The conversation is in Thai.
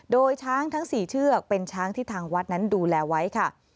โดยช้างทั้ง๔เชือกเป็นช้างที่ทางวัดนั้นดูแลไว้ค่ะ